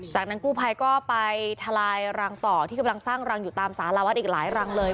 จากนั้นกู้ภัยก็ไปทลายรังต่อที่กำลังสร้างรังอยู่ตามสารวัฒน์อีกหลายรังเลย